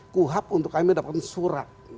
kuhab untuk kami mendapatkan surat